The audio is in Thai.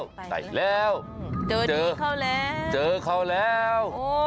เจอไปเข้าแล้วเจอเข้าแล้ว